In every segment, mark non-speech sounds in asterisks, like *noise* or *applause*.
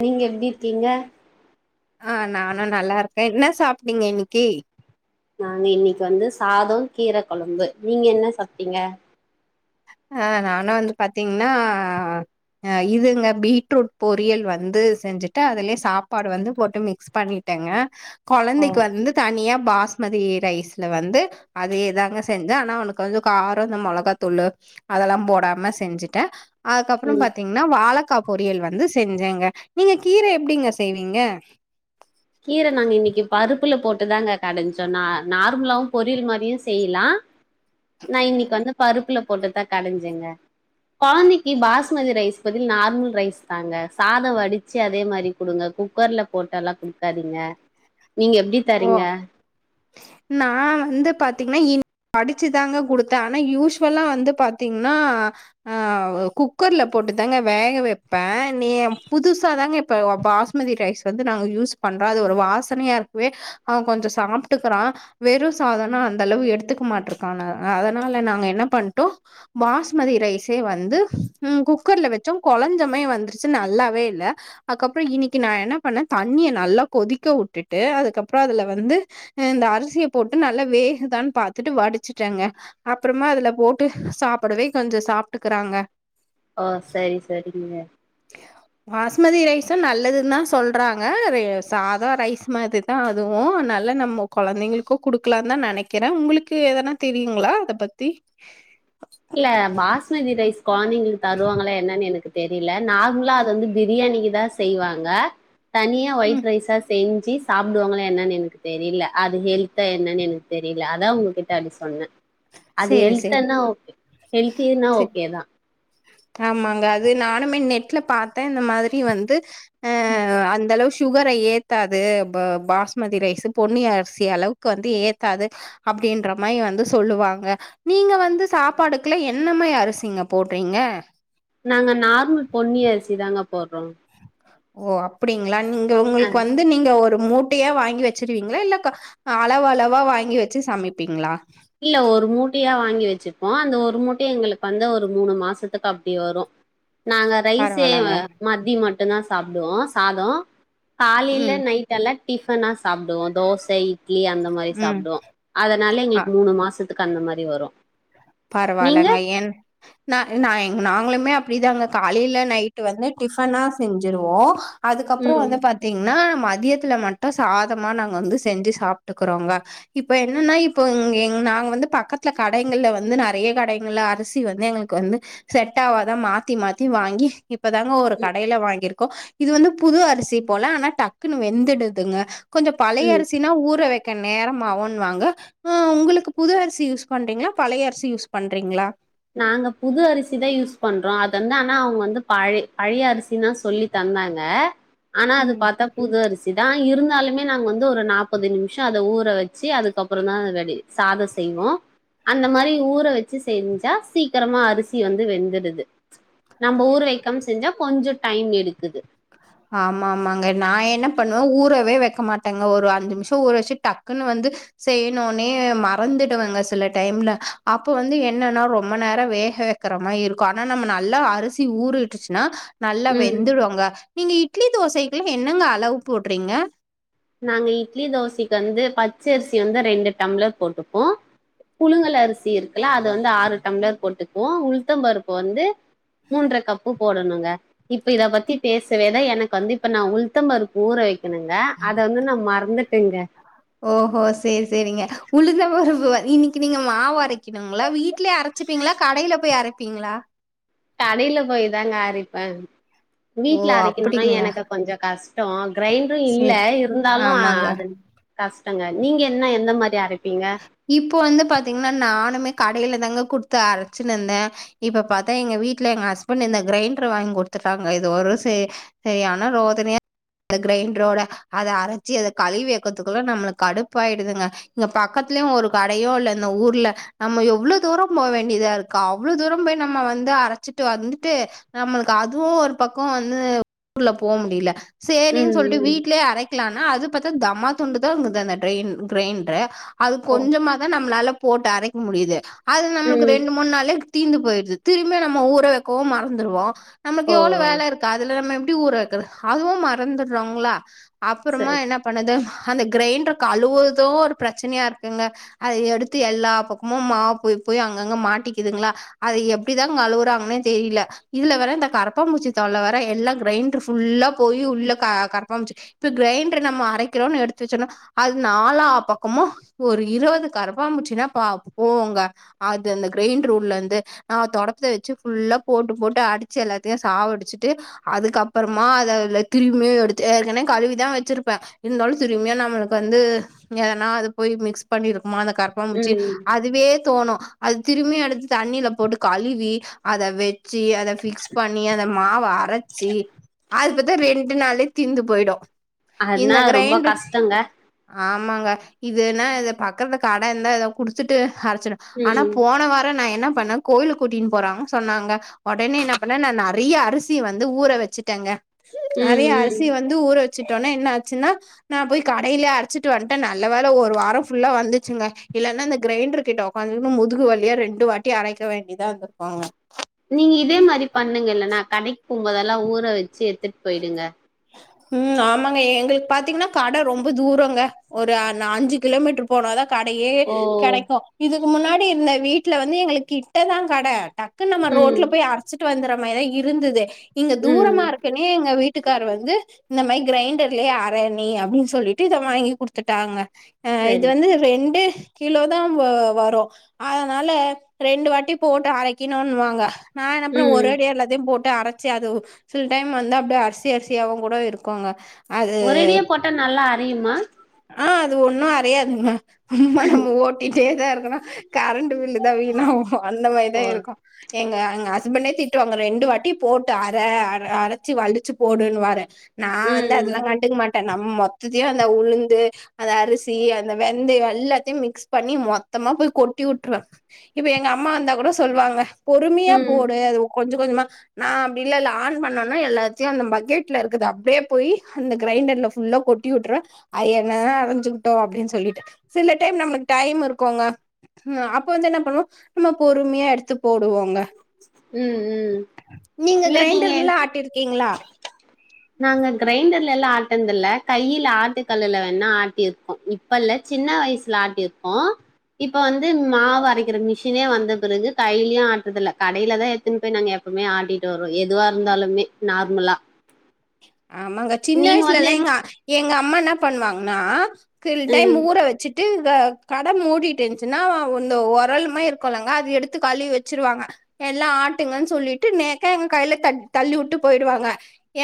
நீங்க எப்படி இருக்கீங்க ஆஹ் நானும் நல்லா இருக்கேன் என்ன சாப்பிட்டீங்க இன்னைக்கு நாங்க இன்னைக்கு வந்து சாதம் கீரை குழம்பு நீங்க என்ன சாப்பிட்டீங்க அஹ் நானா வந்து பாத்தீங்கன்னாஹ் இதுங்க பீட்ரூட் பொரியல் வந்து செஞ்சுட்டு அதுலயே சாப்பாடு வந்து போட்டு மிக்ஸ் பண்ணிட்டேங்க ஓ குழந்தைக்கு வந்து தனியா பாஸ்மதி ரைஸ்ல வந்து அது எதாங்க செஞ்ச ஆனா உனக்கு வந்து காரம் இந்த மிளகாத்தூள் அதெல்லாம் போடாம செஞ்சுட்ட அதுக்கப்புறம் ம் பாத்தீங்கன்னா வாழக்கப் பொரியல் வந்து செஞ்சங்க நீங்க கீரை எப்படிங்க செய்வீங்க கீரை நாங்க இன்னைக்கு பருப்புல போட்டுதாங்க கடைஞ்ச்சோம் நா நார்மலாவும் பொரியல் மாதிரியும் செய்யலாம் நான் இன்னைக்கு வந்து பருப்புல போட்டுதான் கடைஞ்சங்க குழந்தைக்கு பாஸ்மதி ரைஸ் பதில் நார்மல் ரைஸ் தாங்க சாதம் வடிச்சு அதே மாதிரி குடுங்க குக்கர்ல போட்டலா சரிங்க ஓ நான் வந்து பாத்தீங்கன்னா இ வடிச்சு தாங்க குடுத்தேன் ஆனா யூஸ்வலா வந்து பாத்தீங்கன்னா அஹ் குக்கர்ல போட்டு தாங்க வேக வைப்பேன். நீ புதுசா தாங்க இப்ப பாஸ்மதி ரைஸ் வந்து நாங்க யூஸ் பண்றோம் அது ஒரு வாசனையா இருக்கு கொஞ்ச சாப்பிட்டுக்கறான் வெறும் சாதனா அந்த அளவு எடுத்துக்க மாட்டிருக்கான அதனால நாங்க என்ன பண்ணிட்டோம் பாஸ்மதி ரைஸே வந்து குக்கர்ல வச்சோம் கொலஞ்சமே வந்துருச்சு நல்லாவே இல்ல அதுக்கப்புறம் இன்னைக்கு நான் என்ன பண்ணேன் தண்ணிய நல்லா கொதிக்கவுட்டு ட்டு அதுக்கப்புறம் அதுல வந்து இந்த அரிசிய போட்டு நல்லா வேகுதான்னு பாத்துட்டு வடிச்சுட்டேங்க அப்புறமா அதுல போட்டு சாப்பிடவே கொஞ்சம் சாப்பிட்டுக்கறாங்க ஓ சரி சரிங்க பாஸ்மதி ரைஸும் நல்லதுன்னா சொல்றாங்க சாதம் ரைஸ் மாதுதான் அதுவும் நல்லா நம்ம குழந்தைங்களுக்கோ குடுக்கலாம்னு தான் நினைக்கிறேன் உங்களுக்கு ஏதனா தெரியுங்களா அத பத்தி இல்ல பாஸ்மதி ரைஸ் கொழந்தைங்களுக்கு தருவாங்களா என்னன்னு எனக்கு தெரியல நார்மலா அது வந்து பிரியாணிக்குதான் செய்வாங்க தனிய ஒயிட் ம் ரைஸா செர்ந்து சாப்பிடுவாங்களா என்னன் எனக்கு தெரியல அது ஹெல்தா என்னன் எனக்கு தெரியல அதான் உங்ககிட்ட அப்படி சொன்னேன் அது சேரி சேரி எல்த்தனா ஓகே ஹெல்தினா சேரி ஓகே தான் ஆமாங்க அது நானுமே நெட்ல பாத்தேன் இந்த மாதிரி வந்து ஆஹ அந்த அளவு சுகரை ஏத்தாது பாஸ்மதி ரைஸ் பொன்னி அரிசி அளவுக்கு வந்து ஏத்தாது அப்படின்ற மாதிரி வந்து சொல்லுவாங்க நீங்க வந்து சாப்பாடுக்குல்லா என்னமாரி அரிசிங்க போட்டு பீங்க நாங்க நார்மல் பொன்னி அரிசி தாங்க போடுறோம் ஓ அப்படிங்களா நீங்க உங்களுக்கு வந்து நீங்க ஒரு ஒரு மூட்டையா வாங்கி வச்சிருவீங்களா இல்ல அளவு அளவா வாங்கி வச்சு சமைப்பீங்ளா இல்ல ஒரு மூட்டையா வா வாங்கி வச்சுப்போம் அந்த ஒரு மூட்டை எங்களுக்கு வந்து ஒரு மூணு மாசத்துக்கு அப்படி வரும் நாங்க ரைஸே பரவால்லங்க மாத்தி மட்டு மட்டு்தான் சாப்டுவோம் சாதம் காலைல ம் நைட்ல டிஃபன்னா சாப்டுவோம் தோசை இட்லி அந்த மாதிரி ம் சாப்டுவோம் அதனால எங்களுக்கு மு மாசத்துக்கு அந்த மாதிரி வரும் நீங்க பரவாயிலங்க ஏ நா நா நாங்களுமே அப்டிதாங்க காலையில நைட்டு் வந்து டிஃபனா செஞ்சிருவோ அதுக்கப்புறம் ம் வந்து பாத்தீங்கன்னா மதியத்துல மட்டும் சாதமா நாங்க வந்து செஞ்சு சாப்பிட்டுக்கிறோங்க இப்ப என்னன்னா இப்பஎங் நாங்க வந்து பக்கத்து கடைகள்ல வந் ந்து நெறைய கடைகள அரிசி வந்து எங்களுக்கு வந்து செட்வாதா மாத்தி மாத்தி வாங்கி இப்பதாங்க ஒரு ம் கடையில வாங்கிருக் க்கு இது வந்து புது அரிசி போல ஆனா டக்குன்னு வெந்துடுதுங்க கொஞ்சோ ம் பழையரிசினா ஊற வை க்க நேரமகுவாங்க ஹ் உங்களுக்கு புது அரிசி யூஸ் பண்றீங்களா பழையரிசி யூஸ் பண்றீங்களா நாங்க புது அரிசிதா யூஸ் பண்றோ அது வந்து ஆனா அவங்க வந்து பழை பழைய அரிசின் தா சொல்லி தந்தாங்க ஆனா அது ம் பாத்தா புது அரிசிதா இருந்தாலுமே நாங்க வந்து ஒரு நாற்பது நிமிஷோ அத ஊற வச்சு அதுக்கப்புற தா அத வடி சாதோ செய்வோ அந்த மாரி ஊற வச்சு செஞ்சு ச்சா சீக்கிரமா அரிசி வந்து வெந்துடுது நம்ம ஊர் வெக்கம்ஸ் செஞ்சா கொஞ்சோ டைம் எடுக்குது ஆமா ஆமாங்க நா என்ன பண்ணுவே ஊறவே வெக்க மாட்டேங்க ஒரு அஞ்சு நிமிஷோ ஊற வச்சு டக்குன்னு வந்து செய்யணுனே மறந்துடுவங்க சில டைம்ல அப்ப வந்து என்னன்னா ரொம்ப நேரோ வேக வெக்கற மாரி இருக்கு ஆனா நம்ம நல்லா அரிசி ஊறிட்டுச்சுன்னா நல்லா ம் வெந்துடுங்க நீ இட்லி தோசைக்கெல்லா என்னங்க அளவு போடுறீங்க நாங்க இட்லி தோசைக்கு வந்து பச்சை அரிசி வந்து ரெண்டு டம்ளர் போட்டுப்போ புழுங்கள் அரிசி இருக்குல்ல அது வந்து ஆறு டம்ளர் போட்டுக்குவோ உளுதம்பருப்பு வந்து மூன்ற கப்பு போடணுங்க இப்ப இத பத்தி பேசவேதா எனக்கு வந்து இப்ப நன் உளுதம்பருப்பு ஊற வைக்கணுங்க அத வந்து நா மறந்துட்டேங்க ஓஹோ செரி செரிங்க உளுந்த பருப்பு வ இன்னிக்கு நீங்க மாவு அரைக்கணுங்களா வீட்லே அரச்சிப்பீங்களா கடையில போய் அரைப்பீங்களா கடையில போய்தாங்க அரைப்பே ஓ! வீட்ல அரைக்கணுன்னா அப்படிங்களா? எனக்க கொஞ்ச கஷ்டோ கிரைண்டரு இல்ல சரி. இருந்தாலு ஆமாங்க. அது கஷ் டங்க நீங்க என்ன எந்த மாரி அரை இப்ப வந்து பாத்தீங்ன்னா நானுமே கடையில தாங்க குடுத்து அரைச்சுனந்தே இப்ப பாத்தா எங்க வீட்ல எங்க ஹஸ்பண்ட் இந்த கிரைண்டரு வாங் குடுத்துட்டாங்க இது ஒரு சே செரியான ரோதனையா கிரைண்ட்ரோட அத அரைச்சி அத கழுவி வக்கத்துக்குள்ள நம்மளுக்கு கடுப்பாயிடுதுங்க இங்க பக்கத்துலயு ஒரு கடையு இல்ல இந்த ஊர்ல நம்ம எவ்ளோ தூரம் போக வேண்டியதா இருக்கு அவ்ளோ தூரம் போய் நம்ம வந்து அரைச்சிட்டு வந்துட்டு நம்மளுக்கு அதுவு ஒரு பக்கோ வந்து ஊர்ல போ முடியல சேரின்னு ம் சொல்ட்டு ம் வீட்லயே அரைக்கலான் னா அது பத்தா தமா துண்டுதா அந்த அந்த டிரைன் கிரைண்ட்ரு அது ஓ கொஞ்சமா தா நம்மளால போட்டு அரைக்க முடியுது அது நம்மளுக்கு ம் ரெண்டு மூணு நாள்ளே தீந்து போயிடுது திரும்பியு நம்ம ஊற வைக்கவு மறந்துருவோ நமக்கு ஓ எவ்வளோ வேலை இருக்கு அதுல நம்ம எப்டி ஊற வைக்கிறது அதுவு மறந்துடுறாங்களா அப்பறமா சரி என்ன பண்ணுது அந்த க்ரைண்ட்ரு கழுவ்றது ஒரு ப்ரச் சனையா இருக்குங்க அத எடுத்து எல்லா பக்கமு மாவ் போய் போய் அங்கங்க மாட்டிக்குதுங்களா அது எப்டிதா கழுவுறாங்கன்னே தெரில இதுல வேற இந்த கரப்பாம்பூச்சி தொல்ல வேர எல்லா க்ரைண்ட்ரு புல்லா போயி உள்ள க கரப்பாம்பூச்சி இப்ப க்ரைண்டர் நம்ம அரைக்கிறோனு எடுத்து வச்சோனா அது நாலா பக் கம்மோ ஒரு இரவது கரப்பாம்பூச்சின்னா பா போவோங்க அது அந்த க்ரைண்ட்ருள்ள இருந்து நா தொடப்பத்த வச்சு ஃபுல்லா போட்டு போட்டு அடிச்சு எல்லாத்தையு சாவடிச்சுட்டு அதுக்கப்பறமா அதுல திரும்மியு எடுத்து ஏற்கனே கழுவிதா வச்சிருப்பே இருந்தாலு திரும்மியு நம்மளுக்கு வந்து நா அது போய் மிக்ஸ் பண்ணி இருக்குமா அந்த கரப்பாம்பூச்சி ம் அதுவே தோணு அது திரும்மியு எடுத்து தண்ணியில போட்டு கழுவி அத வெ ச்சி அத ஃபிக்ஸ் பண்ணி அத மாவ அரைச்சி அது பத்த ரெண் ண்டு நாள்ளே தீந்து போய்டு அதனா ரொம்ப கஷ்டங்க இதுனா இத பக்கத கட இருந்தா இத குடுத்துட்டு அரைச்சிடு ஆனா ம். போன வார நா என்ன பண்ண கோயிலு கூட்டின்னு போறாங்கனு சொன்னாங்க உடனே என்ன பண்ண நா நெறைய அரிசிய வந்து ஊற வச்சுட்டேங்க ம், நெறைய ம். அரிசிய வந்து ஊர வ ச்சிடோன என்ன ஆச்சுன்னா நா போய் கடையிலே அரைச்சிட்டுவன்ட்டே ந ல்ல வேல ஒரு வாரம் ஃபுல்லா வந்துச்சுங்க இல்லேன்னா இந்த கிரைண்டர் கிட்ட உக்காந்து முதுகு வலியா ரெண்டு வாட்டி அரைக்க வேண்டிதா இருந்திருக்குங்க நீங்க இதே மாரி பண்ணுங்கல்ல னா கடைக் போகும்போதெல்லா ஊற வச்சு எடுத்துட் போயிடுங்க உம் ஆமாங்க எங்களுக் பாத்தீங்ன்னா கட ரொம்ப தூரோங்க ஒரு அ நா அஞ்சு கிலோமீட்டர் போனாதா கடையே ஓ! கெடைக்கு இது க்கு முன்னாடி இருந்த வீட்டுல வந்து எங்களுக் கிட்ட தா கட டக்கு நம்ம ம், ரோடல போய அச்சிட்டு வந்துரப் அந்த மாிதா இருந்தது இங்க ம். தூரமா இருக்கக்குனே எங்க வீட்டுக் க்கார் வந்து இன்னாமே க்ரைண்டர்லயே அரணி அப்டின்னு சொல்லிட்டு. இத வாங்கி குடுத்துட்டாங்க. ஆஹ் இது சரி. வந்து ரெண்டு கிலோதா வ வரும் அதனால ரெண்டு வாட்டி போட்டு அரைக்கணும்னுவாங்க நா என்ன பண்ணுவ ஒரு ம். அடி எல்லாத்தையு போட் டு அரைச்சி அது சில் டைம் வந்து அப்டி அர்சி *unintelligible* அரிசியாவு கூட இருக்கங்க. ஒரடியே போட்டா நல்லா அறயுமா ஆஹ் அது ஒண்ணும் அறையாதுங்க சும்மா நம்ம ஓட்டிட்டே தா இருக்கணு கரண்ட் பில்லு தா வீணவும். சோ அந்த ஓ! மாரிதா இருக்கும் எங்க எங்க ஹஸ்பண்டே திட்டுவாங்க ரெண்டு வாட்டி போட்டு அர அ அரைச்சு வழிச்சு போடுன்னனுவரு நா வந்து அதெல்லாம் ம், கண்டுக்க மாட். த நம்ம மொத்தையு அந்த உளுந் ந்து அந்த அரிசி அந்த வெந்தயு எல்லாத்தையு மிக்ஸ் பண்ணி மொத்தமா போய் கொட்டி வுட்ருவே இப்ப எங்க அம்மா வந்தா கூட சொல்லுவாங்க பொறுமையா ம், போடு அது கொஞ்சம் கொஞ்சமா நா அப்டி இல்ல இல்ல ஆன் பண்ணோன்னா எல்லாத்தையு அந்த பக்கெட்ல இருக்கது அப்டியே போய் அந்த கிரைண்டர்ல ஃபுல்லா கொட்டி வுட்ருவ அது என்ன தா அரைஞ்சிக்கிட்டு அப்டின்னு சொல்லிட்டு சில டைம் நம்மளுக்கு டைம் இருக்கோங்க அப்போ வந்து என்ன பண்ணுவோம் நம்ம பொறுமையா எடுத்து போடுவோங்க. ம் ம் இல்ல நீங்க கிரைண்டர்ல ஆட்டிருக்கீங்களா நாங்க கிரைண்டர்ல ல்லா ஆட்ன தில்ல கையில ஆட்டுக்கல்லுல வேணா ஆட்டிருக்கோ. இப்ப இல்ல சின்ன வயசுல ஆட்டிருக்கோ இப்ப வந்து இது மாவு அரைக்கிற மிஷினே வந்து த்த பிறகு கைலயு ஆட்றதில்ல கடைல தா எத்துன்னு போய் நாங்க எப்பமே ஆட்டிட்டு வருவோம் எதுவா இருந்தாலுமே நார்மலா ஆமாங்க சின்ன நீங்க வந்து வயசிலல்லா என் எங்க எங்க அம்மான்னா பண்ணுவாங்கன்னா கில் டைம் ம் ஊற வச்சிட்டு க கடை மூடிட்டு இருந்துச்சுன்னா அந்த உரலுமா இருக்குல்லங்க அது எடுத்து கழுவி வெச்சிருவாங்க. எல்லா ஆட்டுங்கன் சொல்லிட்டு நேக்க எங்க கையில த தள்ளி உட்டு போயிடுவாங்க.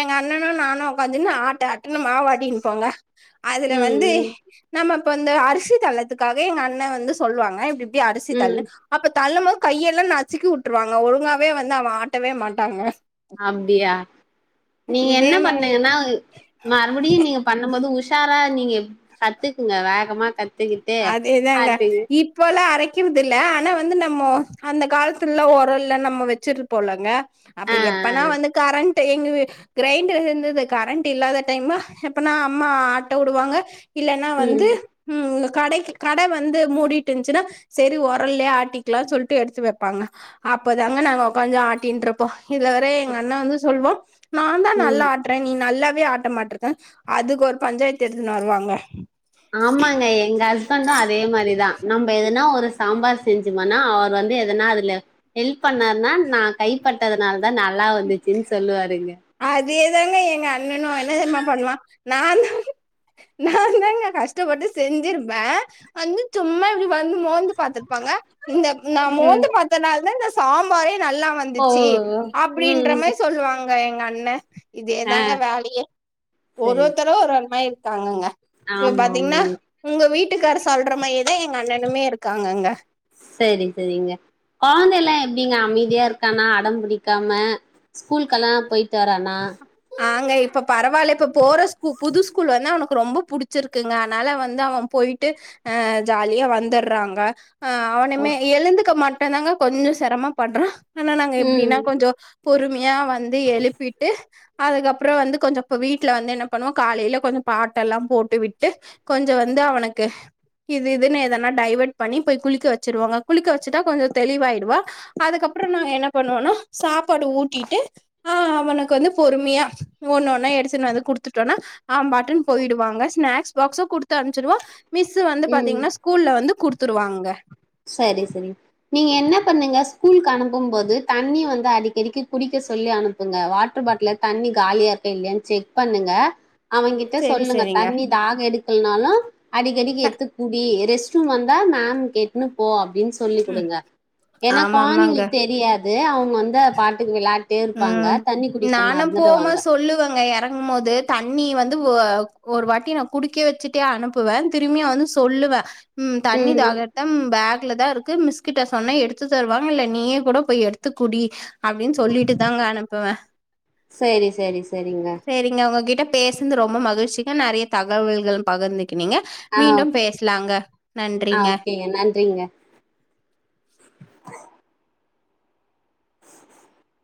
எங்க அண்ணனு நானு உக்காந்துகினு ஆட்டு ஆட் டுனு மாவாட்டின் போங்க அதுல ம் வந்து ம் நம்ம இப்ப வந்து அரிசி தள்ளத்துக்காக எங்க அண்ணே வந்து சொல்லுவாங்க இப்டி இப்டி அரிசி ம் தள்னு அப்ப தள்ளும்போது கையெல்லா நசுக்கி உட்ருவாங்க ஒழுங்காவே வந்து அவ ஆட்டவே மாட்டாங்க அப்டியா நீங்க இதே என்ன மா பண்ணீங்கனா மறுபடியு நீங்க பண்ணு போது உஷாரா நீங்க கத்துக்குங்க வேகமா கத்துக்கிட்டு அதேதாங்க அதுக்கு இப்போல்லா அரைக் கிறது இல்ல ஆனா வந்து நம்மோ அந்த காலத்துல்லா ஒரல்ல நம்மோ வச்சுருப்போல்லங்க அப்ப ஆ ஆ எப்பனா வந்து கரன் ட் எங்க கிரைண்டர் இருந்துது கரண்ட் இல்லாத டைமா எப்பனா அம்மா ஆட்ட உடுவாங்க இல்லனா வந்து ம் ம் கடைக்கு கட வந்து மூடிட் இஞ்சுனா செரி ஒரல்லே ஆட்டிக்லா சொல்ட்டு எடுத்து வேப்பாங்க அப்பதாங்க நாங்க உக்காஞ்சி ஆட்டின்ட்ருப்போ இதுல வேற சரி. எங்கண்ண வந்து சொல்வா நாந்தா ம் நல்லா ஆட்ற நீ நல்லா வே ஆட்ட மாட்ருக்க அதுக்கு ஒரு பஞ்சாயத்து எடுத்துனு வருவாங்க ஆமாங்க எங்க ஹஸ்பண்டு அதே மாரிதா நம்ம எதனா ஒரு சாம்பார் செஞ்சுமனா அவரு வந்து எதனா அதுல ஹெல்ப் பண்ணாருனா நா கைப்பட்டதுனால தா நல்லா வந்துச்சுன்னு சொல்லுவாருங்க அதே தாங்க எங்க அண்ணனு என்ன தெரிமா பண்ணுவா நாந்தா நாந்தாங்க கஷ்டப்பட்டு செஞ்சிருப்ப வந்து சும்மா இப்டி வந்து மோந்து பாத்துப்பாங்க இந்த நா ம் மோந்து பாத்த நாள் தா இந்த சாம்பாரே நல்லா ஓ வந்துச்சி அப்டின்ற ம் மாரி சொல்லுவாங் க எங்க அண்ண ஆ இதேதாங்க வேலையே ஒரு சரி ஒத்தரு ஒரு ஒரு மாரி தாங்கங்க இப்ப ஆமா பாத்தீங்னா ஆமாங்க உங்க வீட்டுக்கார் சொல்ற மாயே தா எங்க அண்ணனுமே இருக்காங்கங்க டிங்க அமைதியா இருக்காணா அடம் பிடிக்காம ஸ்கூலுகெல்லா போய்ட்டு வரானா ஆங்க இப்ப பரவால்ல இப்ப போறஸ் புது ஸ்கூல் வன அவனு ரொம்ப புடிச்சிருக்குங்க அனால வந்து அவன் போய்ட்டு ஆ ஜாலியா வந்துற்றாங்க ஆ ஓ அவனுமே எழுந்துக்க மட் டுந்தாங்க கொஞ்சோ செரம பட்றா ஆனா நாங்க ம் எப்டினா கொஞ்சோ பொறுமை ஏ வந்து எழுப்பிட்டு அதுக்கப்றோ வந்து கொஞ்ச இப்போ வீட்ல வந்து என்ன பண்ணுவோ காலைல கொஞ்ச பாட்டெல்லா போட்டு விட்டு கொஞ்ச வந்து அவனுக்கு இது இதுன்னு எதனா டைவேர்ட் பண்ணி போய் குளிக்க வச்சுறுவங்க குளிக்க வச்சுட்டா கொஞ்ச தெளிவாயிடுவா அதுக்கப்றோ நா என்ன பண்ணுவேனா சாப்பாடு ஊட்டிட்டு ஆ அவனுக்கு வந்து பொறுமையா ஒன்னு ஒன்னா எடுத்துனு வந்து குடுத்துட்டோனா அவம்பாட்டுனு போயிடுவாங்க ஸ்நாக்ஸ் பாக்ஸோ குடுத்து அனுச்சுடுவ மிஸ்ஸு வந்து ம் பாத்தீங்கன்னா ஸ்கூல வந்து குடுத் த்துருவாங்க சரி சரி நீங்க என்ன பண்ணுங்க ஸ்கூல்கு அனுப்பு போது தண்ணி வந்து அடிக்கடிக்கி குடிக்க சொல்லி அனுப்புங்க வாட்ர் பாட்ல தண்ணி காலியா இருக்க இல்லயானு செக் பண்ணுங்க அவங்கிட்ட சேரி சொல்லுங்க சேரிங்க தண்ணி தாக எடுக்கலனாலு அடிக்கடிக்கி த எடுத்துக்குடி *unintelligible* ரெஸ்ட்ரூம் வந்தா மேம் கேட் னு போ அப்டினு சொல்லி ம் குடுங்க ஏன்னா ஆமா ஆமாங்க கொழந்தைகளுக்கு தெரியாது அவங்க வந்தா அதுபாட்டுக்கு விளயான்ட் ம் நானும் போமா சொல்லுவேங்க எறங்குமோது தண்ணி வந்து ஓ ஒரு வாட்டி நா குடிக்க வச்சுட்டே அனுப்புவே திரும்பியு வந்து சொல்லுவ ம் தண்ணி தாகெடுத்தா பேக் பேக்லதா இருக்கு மிஸ்கிட்ட சொன்ன எடுத்து தருவாங்க இல்ல நீயே கூட போய் எடுத்துக்குடி அப்டின்னு சொல்லிட்டு தாங்க அனுப்புவே செரி செரி செரிங்க சேரிங்க உங்ககிட்ட பேசுனது ரொம்ப மகிழ்ச்சிங்க நெறய தகவல்கள் பகிர்ந் தீங்க ஆ மீண்டும் பேசலாங்க ஆ நன்றிங்க ஓகேங்க நன்றிங்க *inaudible*